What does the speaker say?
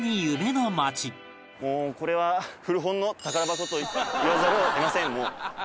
もうこれは古本の宝箱と言わざるを得ませんもう。